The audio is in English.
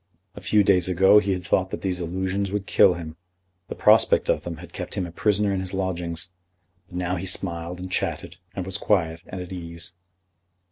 A few days ago he had thought that these allusions would kill him. The prospect of them had kept him a prisoner in his lodgings; but now he smiled and chatted, and was quiet and at ease.